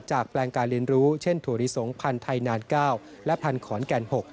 แปลงการเรียนรู้เช่นถั่วลิสงพันธ์ไทยนาน๙และพันธุ์ขอนแก่น๖